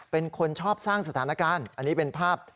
เป็นคนชอบสร้างสถานการณ์อันนี้เป็นภาพ